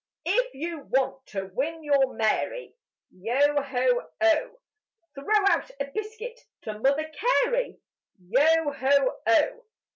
If you want to win your Mary, Yo ho oh! Throw out a biscuit to Mother Carey: Yo ho oh!